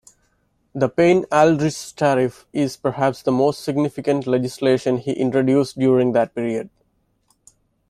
The Payne-Aldrich Tariff is perhaps the most significant legislation he introduced during that period.